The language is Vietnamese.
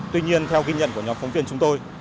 tuy nhiên theo ghi nhận của nhóm phóng viên chúng tôi